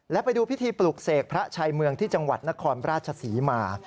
และไปดูพิธีปลุกเสกพระชัยเมืองที่จังหวัดนครราชศรีมา